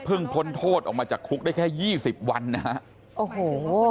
เพิ่งพ้นโทษออกมาจากคุกได้แค่๒๐วันนะอ๋อโห